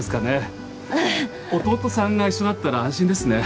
弟さんが一緒だったら安心ですね。